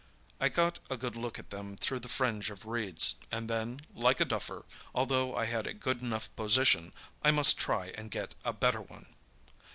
I got a good look at them through the fringe of reeds, and then, like a duffer, although I had a good enough position, I must try and get a better one.